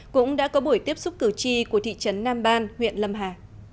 cũng đã có buổi tiếp xúc cử tri của thị trấn nam ban huyện lâm hà